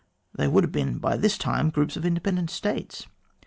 They would have been by this time groups of independent States.